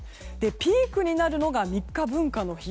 ピークになるのが３日、文化の日。